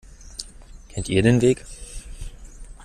Kennt ihr den Weg?